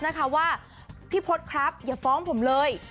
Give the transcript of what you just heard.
นะคะว่าพี่พศครับอย่าฟ้องผมเลย